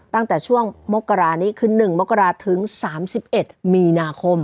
ตั้งแต่ช่วงมกรานี้คือ๑มกราศถึง๓๑มีนาคม